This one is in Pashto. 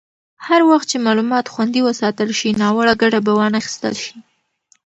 هر وخت چې معلومات خوندي وساتل شي، ناوړه ګټه به وانخیستل شي.